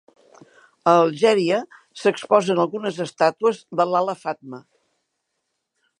A Algèria s'exposen algunes estàtues de Lalla Fatma.